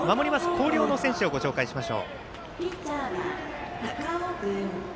広陵の選手をご紹介します。